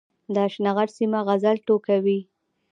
د اشنغر سيمه غزل ټوکوي